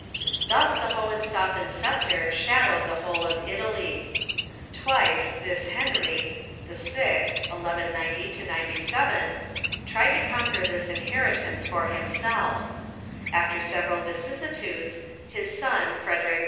Thus the Hohenstaufen sceptre shadow^ed the whole of Italy. Twice this Henry (VI., 1190 97) tried to conquer this inheritance for himself. After several vicissitudes, his son, Frederic II.